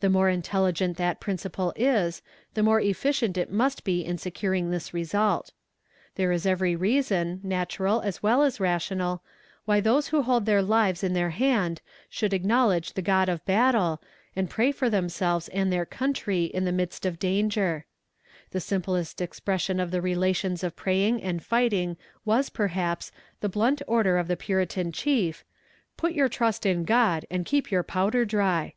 The more intelligent that principle is, the more efficient it must be in securing this result. There is every reason, natural as well as rational, why those who hold their lives in their hand should acknowledge the God of battle, and pray for themselves and their country in the midst of danger. The simplest expression of the relations of praying and fighting was, perhaps, the blunt order of the puritan chief, "Put your trust in God, and keep your powder dry."